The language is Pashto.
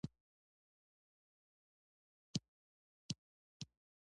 ګل جانې خپل لاس را اوږد کړ او زما لاس یې ونیو.